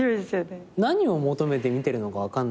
何を求めて見てるのか分かんないんですけど。